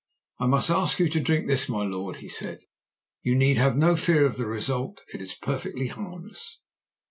'I must ask you to drink this, my lord,' he said. 'You need have no fear of the result: it is perfectly harmless.'